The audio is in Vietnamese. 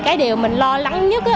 cái điều mình lo lắng nhất